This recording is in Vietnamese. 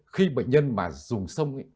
khi bệnh nhân mà dùng sông